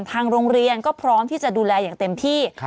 ทางโรงเรียนก็พร้อมที่จะดูแลอย่างเต็มที่